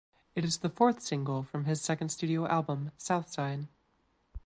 It is the fourth single from his second studio album "Southside".